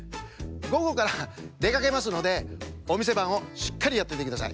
ごごからでかけますのでおみせばんをしっかりやっててください。